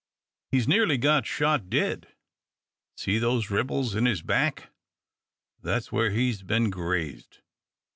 He's nearly got shot dead. See those ripples in his back? That's where he's bin grazed.